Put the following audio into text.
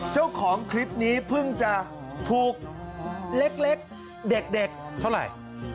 เจ้าของคลิปนี้เพิ่งจะถูกเล็กเด็กเท่าไหร่